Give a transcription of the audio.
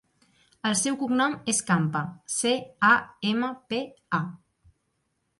El seu cognom és Campa: ce, a, ema, pe, a.